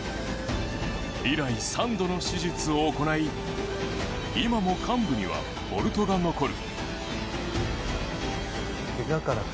以来、３度の手術を行い今も患部にはボルトが残る。